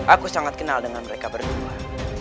aku sangat kenal dengan mereka berdua